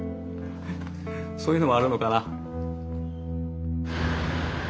そういうのもあるのかな。